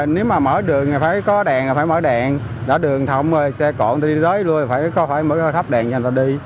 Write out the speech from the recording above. nếu mà mở đường thì phải có đèn thì phải mở đèn đó đường thông thì xe cộn thì đi lối luôn phải mở thấp đèn cho người ta đi